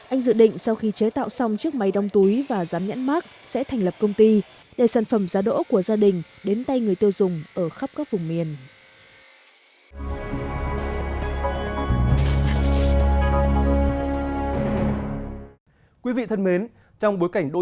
anh dự định sau khi chế tạo xong chiếc máy đong túi và rán nhãn mát sẽ thành lập công ty để sản phẩm giá đỗ của gia đình đến tay người tiêu dùng ở khắp các vùng miền